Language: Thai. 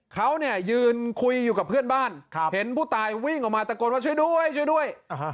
เขาเนี่ยยืนคุยอยู่กับเพื่อนบ้านเห็นผู้ตายวิ่งออกมาตะโกนว่าช่วยด้วยช่วยด้วย